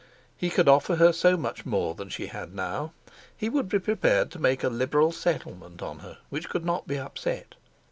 He could offer her so much more than she had now. He would be prepared to make a liberal settlement on her which could not be upset.